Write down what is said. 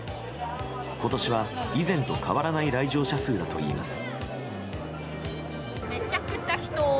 今年は以前と変わらない来場者数だといいます。